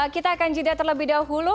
kita akan jeda terlebih dahulu